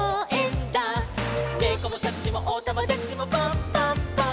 「ねこもしゃくしもおたまじゃくしもパンパンパン！！」